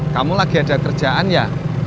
kamu lagi ada kerjaan ya